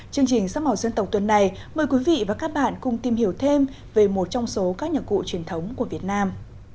chương trình sắc màu dân tộc tuần này mời quý vị và các bạn cùng tìm hiểu thêm về một trong số các nhạc cụ truyền thống của việt nam